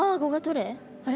あれ？